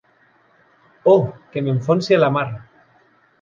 Oh, que m'enfonsi a la mar!